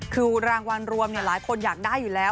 คือรางวัลรวมหลายคนอยากได้อยู่แล้ว